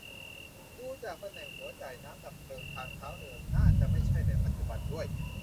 ดูจากตำแหน่งหัวจ่ายน้ำดับเพลิง ทางเท้าเดิมน่าจะไม่ใช่แบบปัจจุบันด้วย